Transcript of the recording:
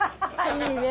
いいね。